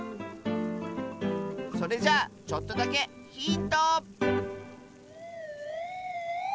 それじゃあちょっとだけヒント！